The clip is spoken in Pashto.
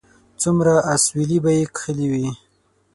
څومره اسويلي به یې کښلي وي